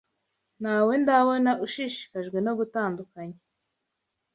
ntawe ndabona ushishikajwe no gutandukanya